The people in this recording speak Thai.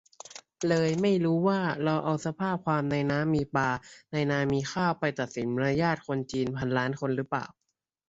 เลยไม่รู้ว่า เราเอาสภาพความ "ในน้ำมีปลาในนามีข้าว" ไปตัดสินมารยาทคนจีนพันล้านคนรึเปล่า